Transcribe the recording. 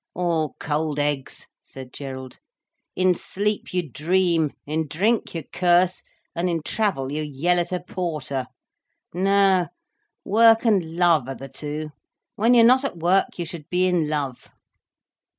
"All cold eggs," said Gerald. "In sleep, you dream, in drink you curse, and in travel you yell at a porter. No, work and love are the two. When you're not at work you should be in love."